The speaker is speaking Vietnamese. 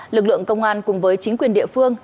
lực lượng công an cùng với chính quyền địa phương